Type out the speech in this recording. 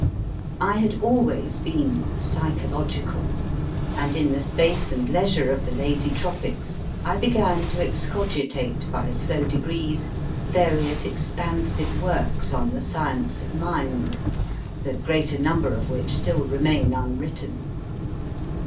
I had always been psychological, and in the space and leisure of the lazy Tropics I began to excogitate by slow degrees various expansive works on the science of mind, the greater number of which still remain unwritten.